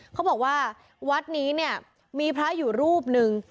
เขาบอกว่าวัดนี้เนี่ยมีพระอยู่รูปหนึ่ง